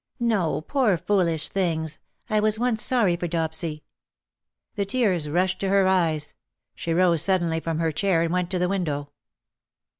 ^^" No, poor foolish things— I was once sorry for Dopsy.^^ The tears rushed to her eyes. She rose suddenly from her chair, and went to the window.